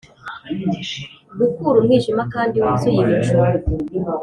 gukura umwijima kandi wuzuye ibicu